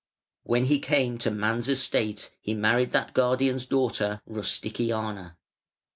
When he came to man's estate he married that guardian's daughter Rusticiana.